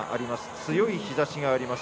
強い日差しがあります